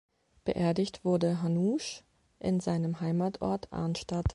Beerdigt wurde Hanusch in seinem Heimatort Arnstadt.